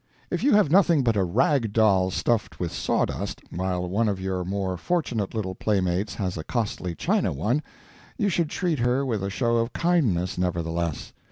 If you have nothing but a rag doll stuffed with sawdust, while one of your more fortunate little playmates has a costly China one, you should treat her with a show of kindness nevertheless.